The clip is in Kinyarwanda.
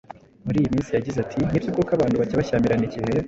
muri iyi minsi. Yagize ati:”Nibyo koko abantu bajya bashyamirana igihe